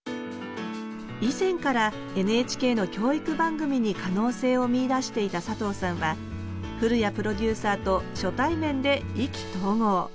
以前からＮＨＫの教育番組に可能性を見いだしていた佐藤さんは古屋プロデューサーと初対面で意気投合。